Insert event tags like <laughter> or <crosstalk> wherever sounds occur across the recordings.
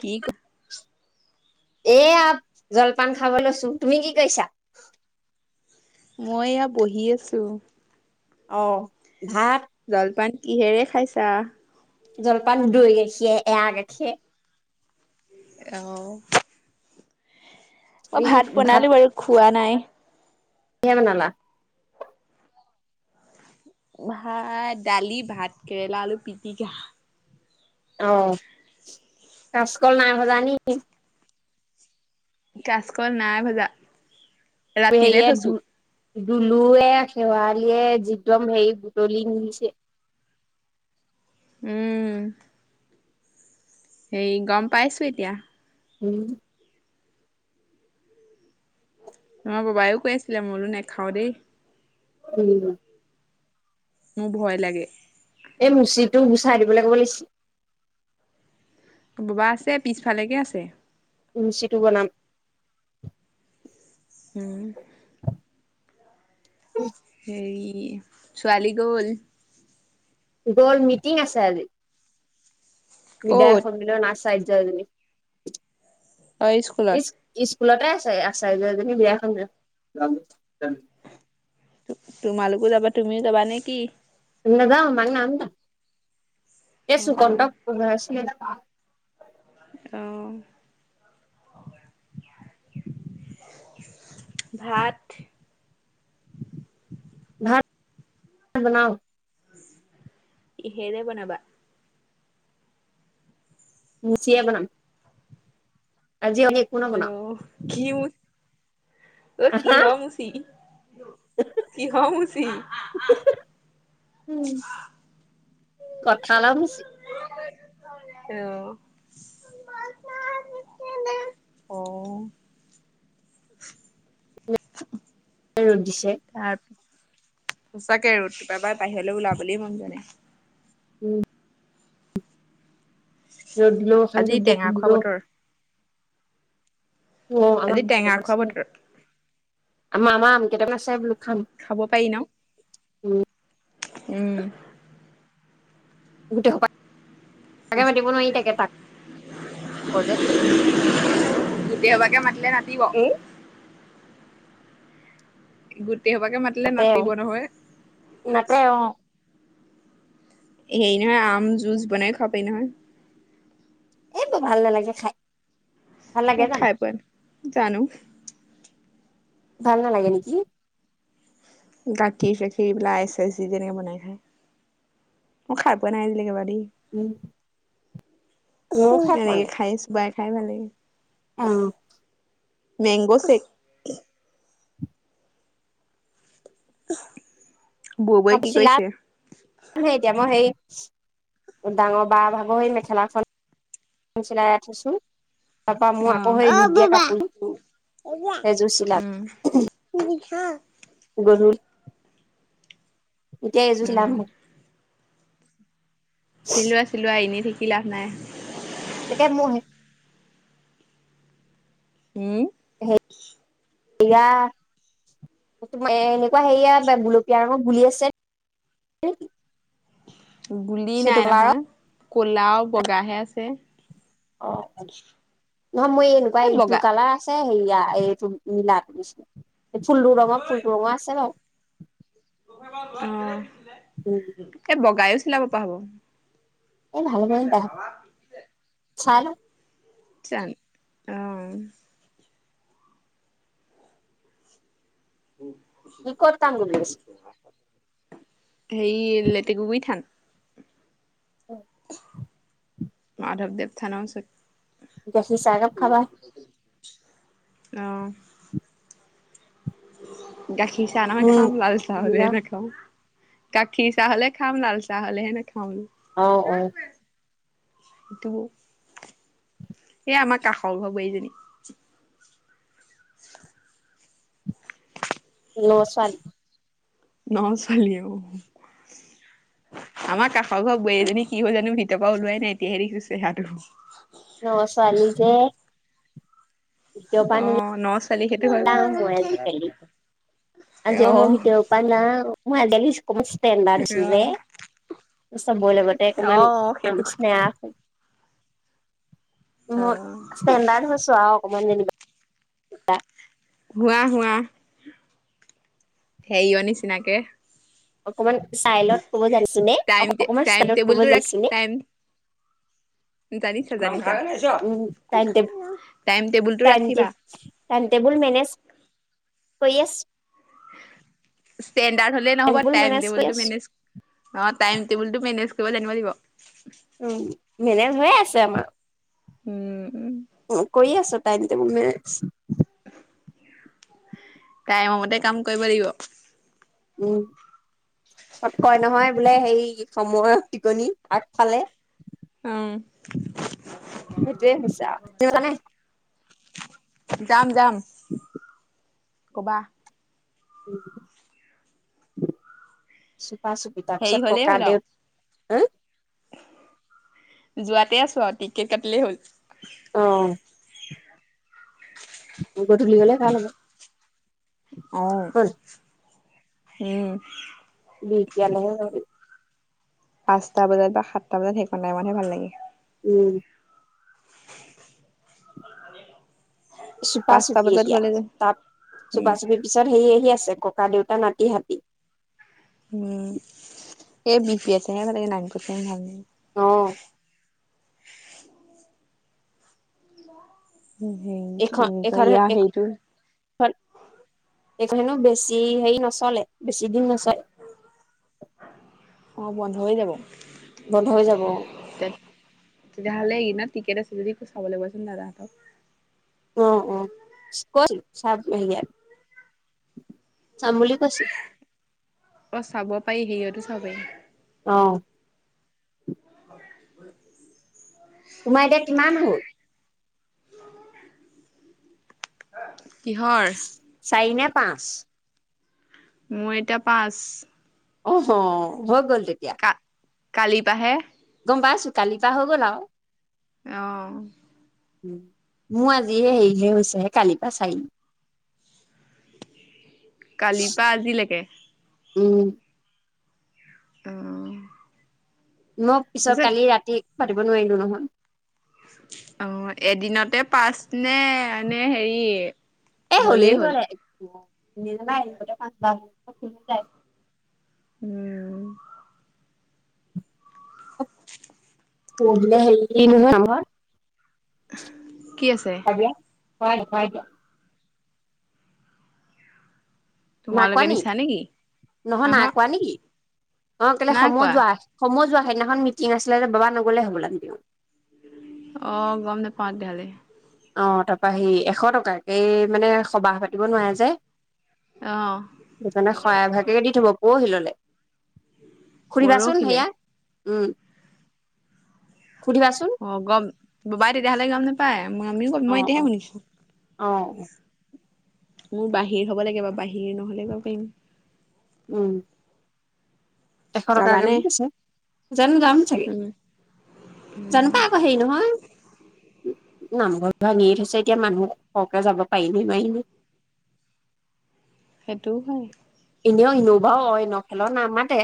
কি ক এয়া জলপান খাবলৈ লৈছো। তুমি কি কৰিছা? মই এইয়া বহি আছোঁ। অ, ভাত। জলপান কিহেৰে খাইছা? জলপান দৈ গাখীয়ে এয়া গাখীৰে। অহ, মই তুমি কি ভাত বনালো বাৰু খোৱা নাই। <unintelligible> বনালা? ভাত দালি ভাতকেৰেলা আলু পিটিকা। অ, কাচকল নাই ভজা নেকি? কাচকল নাই ভজা। ৰাতিলে হেৰিয়ে থৈছো। দু-দুলুয়ে শেৱালিয়ে যিদম হেৰি বুটলি নিছে। উম। হেৰি গম পাইছোঁ এতিয়া। উম, তোমাৰ ববায়ো কৈ আছিলে মই বোলো নাখাওঁ দেই। উম, মোৰ ভয় লাগে এই মুচিটো গুচাই দিবলৈ ক'ব লাগিছিল বোবা আছে পিছফালেকে আছে। মুচিটো বনাম উম, হেৰি ছোৱালী গ'ল? গল মিটিং আছে আজি। বিদায় ক'ত? <unintelligible> নাচ অ', স্কুলত <unintelligible> স্কুলতে আছে আশ্চৰ্যজনী বিয়াখন তোমালোকো যাবা তুমিও যাবা নে কি? নাযাওঁ অ'। <unintelligible> অ', ভাত বনাও কিহেৰে বনাবা? মুচিয়ে বনাম, আজি <unintelligible> অ', কি অ', আহা কিহৰ মুচি? কিহৰ মুচি? উম, কঁঠালৰ মুচি। অ', অ' <inaudible> ৰ'দ দিছে। তাৰ, সঁচাকে ৰ'দটো বাই বাহিৰলৈ ওলাবলৈ মন যোৱা নাই। উম, ৰ'দ দিলেও আজি অশান্তি টেঙা বৰষুন খোৱা দিলেও বতৰ, অ', আমাৰ আজি আম টেঙা কেইটামান খোৱা আছে, বতৰ। আমাৰ আমাৰ আম কেইটামান আছে বোলো খাম। খাব পাৰি উম ন' উম, গোটেইসোপা <inaudible> কলে গোটেইসোপাকে মাতিলে নাটিব। এই গোটেই হোপাকে মাতিলে নাতে অ নাতিব নহয়। নাতে অ' হেৰি নহয় আম যুছ বনাই খোৱাব পাৰি নহয়। এইবোৰ ভাল নালাগে খাই। ভাল লাগে মই জানো খাই পোৱা নাই, জানো ভাল নালাগে নেকি? গাখীৰ চাখীৰ এইবিলক আইচ চাইচ দি পিনি বনায় খাই। মই খাই পোৱা নাই আজিলৈকে বাৰু দেই। উম ময়ো চব খাই পোৱা এনেকে নাই খাই চোবাই খাই ভাল লাগে। অ' মেংগ' চে'ক। <unintelligible> বৌৱে কি <unintelligible> কৰিছে? এতিয়া মই সেই ডাঙ বা ভাগ সেই মেখেলাখন চিলাই ৰাখিছোঁ। তাৰ পৰা মোৰ আকৌ অ সেই হুত দিয়া বোবা কাপো-যো, উম উম সেইযোৰ চিলাম। <unintelligible> গধু, এতিয়া এইযো চিলাম। চিলোৱা চিলোৱা, এনে থাকি লাভ নাই। এতিয়া মোহে উম। এইয়া <unintelligible> এনেকুৱা হেইয়া বা গোলপীয়া ৰঙ গুলি আছে <unintelligible> গুলি সেইটো নাই কালাৰত নহয়। ক'লা আও বগাহে আছে। অ'। নহয় মই এনেকুৱা এই ইটো বগা কালা আছে। সেইয়া এইটো নিলা ফুলটো ৰঙ ফুল টো ৰঙা আছে বাৱ। অ'। উম উম। এ বগাইও চিলাব পা হ'ব। এ ভাল মান হ'ব। <unintelligible> চাই লওঁ। <unintelligible> অ'। সি ক'ত কাম কৰিবলে গৈছে? সেই লেটেকুগুৰি থান। <unintelligible> মাধৱদেৱ থান ওচত। গাখীৰ চাহ একাপ খাবা? অ'। গাখীৰ চাহ নহয় উম খাম, লাল চাহ হ'লে নাখাওঁ। গাখীৰ চাহ হ'লে খাম, লাল চাহ হ'লেহে নেখাওঁ। অ' অ'। তুমি? এ আমাৰ কাষ ঘ বোৱাৰীজনী। ন ছোৱালী। ন ছোৱালী অ। আমাৰ কাষ ঘ বোৱাৰী এজনী কি হ'ল জানো, ভিতৰৰ পৰা ওলোৱাই নাই, এতিয়াহে দেখিছো চেহেৰাটো। ন ছোৱালী যে। ভিতৰ পৰা অ' ন ছোৱালী সেইটো হয় নোলাও বাও। মই আজিকালি <unintelligible> যে। চবৰে লগতে অকমান সেইটো আলোচনা কথা অ <unintelligible> ষ্টেণ্ডাৰ্ড হৈছো আৱ অকমান যেনিবা। হোৱা হোৱা। সেইয় নিচিনাকে। অকমান -ইলত কব যানিছোনে? টাইম অকমান টাইম ষ্টাইলত কব টেবুলটো ৰাখি যা-ছোনে? টাইম জানিছা জানিছা। উম টাইম টাইম টেবুল টো ৰাখিবা। টাইম টেবুল মেনেজ কৰি আছ। ষ্টেণ্ডাৰ্ড হলে নহ'ব, টেবুল টাইম মেনেজ কৰি টেবুলটো আছো মেনেজ অ, টাইম টেবুল টো মেনেজ কৰিব জানিব লাগিব। উম। মেনেজ হৈয়ে আছে আমা। উম উম কৰি আছো টাইম টেবুল মেজ টাইম মতে কাম কৰিব লাগিব উম চত কয় নহয় বোলে সেই সময়ৰ টিকনি আগফালে উম সেইটোৱে হৈছে আউ তেও জানে যাম যাম ক'বা উম চুপা চুপি তাৰ হেৰি পিছত হ'লেই ককা হ'ল আৰু দেউত এ যোৱাতে আছো আৰু টিকেট কাটিলেই হ'ল অ <unintelligible> গধূলি গলে ভাল হ'ব অ হয় উম বিকিয়ালেহে যাবি পাঁচটা বজাত পা সাতটা বজাত সেইকন টাইমতহে ভাল লাগে উম চুপা পাঁচটা চুপি বজাত এতিয়া গ'লে যে তাত চুপা উম চুপিৰ পিছত সেই আহি আছে ককা দেউতা নাতি হাতী উম এই বিপি আছে মানে নাঙটোতে ভাঙ অ তো এইটো ইয়া সেইটোহে সেইখন হেনো বেছি হেৰি নচলে বেছি দিন নাচাই অ বন্ধ হৈ যাব বন্ধ হৈ যাব অ তে তেতিয়াহ'লে ইনত টিকেট আছে যদি চাব লবাচোন দাদাহঁতক অ অ ইচ কছ চাম হেৰিয়াত চাম বুলি কৈছো অ চাব পাৰি সেইয়তো চাব পাই অ তোমাৰ এতিয়া কিমান হ'ল কিহৰ চাৰি নে পাঁচ মোৰ এতিয়া পাঁচ অহ হৈ গ'ল তেতিয়া কালি পাহে গম পাইছো কালি পা হৈ গ'ল আৰু অ উ মোৰ আজিহে হেৰিহে হৈছেহে কালিৰ পা চাৰি <inaudible> কালিৰ পা আজিলেকে উম উম মই পিছত তাৰপিছত কালি ৰাতি পাতিব নোৱাৰিলো নহয় অ এদিনতে পাছ নে এনে হেই এ হ'লেই কৰে <unintelligible> পাঁচ বা মান <unintelligible> উম <inaudible> কি আছে? <unintelligible> না তোমালোকে কোৱ নি, দিছা নেকি নহয় আহ নাই কোৱা নেকি? অ, কেলে নাই সময় কোৱা যোৱা সময়ো যোৱা, সেইদিনাখন মিটিং আছিলে বাবা নগলে হ'ব লাগিব। অ, গম নাপাওঁ তেতিয়া হ'লে। অ, তাৰপা সি এশ টকাকে, মানে সকাম পাতিব নোৱাৰে যে। অহ, সেইকাৰণে সৰায়, ভাগেকে দি থব পৰহিল, লে সুধিবাচোন পৰহিলে সেয়া উম, সুধিবাচোন। অ, গম ববাই তেতিয়াহ'লে গম নাপায়, মই আমিও গ'ম অ মই এতিয়াহে অ শুনিছো। অ, মোৰ বাহিৰ হ'ব লাগে, বাৰু বাহিৰ নহ'লে <inaudible> পাৰিম। উম, এশ টকাকে যাবানে বুলি কৈছে, জানো যাম চাগে, উম জানো এই আকৌ, হেই নহয়। নামঘৰ ভাঙিয়ে থৈছে, এতিয়া মানুহ সৰহকে যাব পাৰিনে, নোৱাৰিয়ে। সেইটোও হয়। এনেও <inaudible> অইন, খেলৰ নাম মাতে।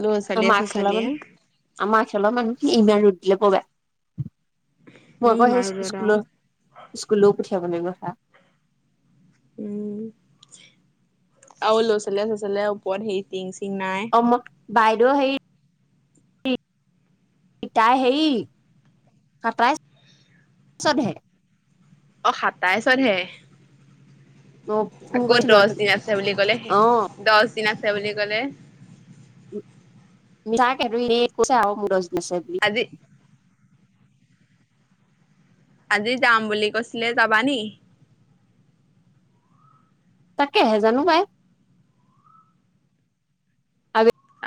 ল'ৰা ছোৱালীয়ে আমাৰ খালাৰ চচালীয়ে মানে, মানুহ আমা খালা মানুহ কি ইমান ৰুদ দিলে পবা। মই উম আকৌ মাৰ সেই, লগত আৰু স্কুলৰ-স্কুলও পঠিয়াব লাগিব সেয়া। উম, আৰু ল'ৰা-ছোৱালী-চোয়ালীয়া ওপৰত সেই টিং- চিং নাই। <inaudible> বাইদেউ হেৰি পিতাই, হেৰি সতা, ইছত হে। অ, সাতাইছত হে। মই ফোন আকৌ কৰিছিলো দশ দিন আছে বুলি ক'লে, অ দশ দিন আছে বুলি ক'লে। <inaudible> বুলি। আজি আজি যাম বুলি কৈছিলে, যাবা নি? তাকেহে, জানো পাই।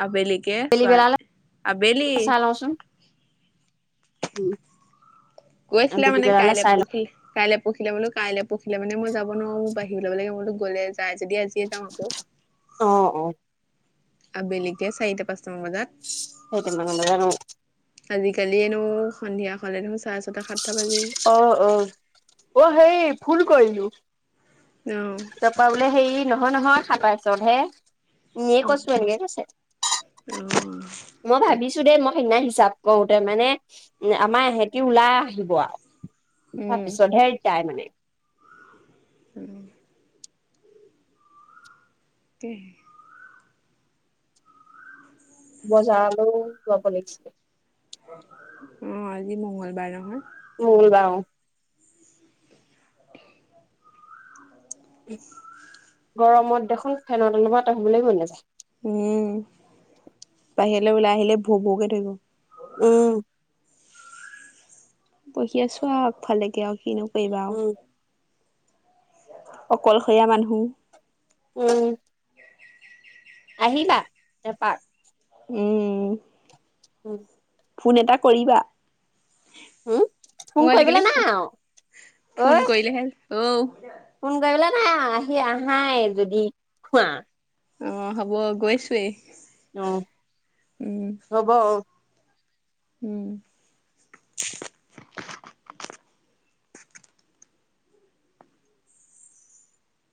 আবেলিকে, আবেলি চোৱা- বেলালে আবেলি চাই লওঁচোন উম, গৈছিলা আবেলি মানে, বেলালে কাইলৈ চাই লওঁ পঢ়ি কাইলৈ পঢ়িলে মানেটো, কাইলৈ পঢ়লে মানে মই যাব নোৱাৰো বাহিৰলৈ, মনটো গ'লে যায়, যদি আজিয়ে যাওঁ আকৌ। অ, অ, আবেলিকে চাৰিটা, পাঁচটামান বজাত। <inaudible> আজিকালিয়ে নো, সন্ধিয়া হ'লে নো চাৰে ছটা, সাতটা বাজি অ, অ, অ, সেই ফুল কৰিলো। অ, পৰা বোলে হেৰি নহয়, নহয়, সাতাইছ হতহে। এনেই কৈছো, এনেকে কৈছে। অ', মই তাক ভাবিছো দেই, মই সেইদিনা হিচাপ কৰোতে মানে। আমাৰ এহেঁতি ওলাই আহিব আৰু উম, তাৰপিছতহে ৰিটিই মানে। উম। তে হে। বজালও যাব লাগিছিলে। অ আজি মংগলবাৰ নহয়। মংগলবাৰ অ। <unintelligible> গৰমত দেখোন ফেনত অলপ তহিবলে মন নাযায়। উম, বাহিৰলে ওলাই আহিলে ভো ভোকে ধৰিব। উম। বহি আছো আও আগফালে কে আও কিনো কৰিবা আও। উম অকলশৰীয়া মানুহ। উম। আহিলা এপাক? উম। উম। ফোন এটা কৰিবা? হম? ফোন মই আজিকালি কৰিবলে নাই আও। ফোন কৰিলে হে, অও। ফোন কৰিবলে নাই আও আহি আহাই যদি খোৱা। অ হ'ব গৈছোৱেই। অ উম, হব অ। উম।